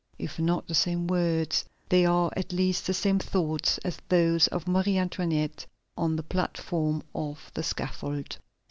If not the same words, they are at least the same thoughts as those of Marie Antoinette on the platform of the scaffold.